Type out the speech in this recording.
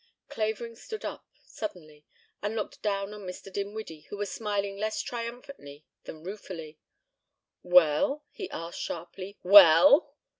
..." Clavering stood up suddenly and looked down on Mr. Dinwiddie, who was smiling less triumphantly than ruefully. "Well?" he asked sharply. "Well?"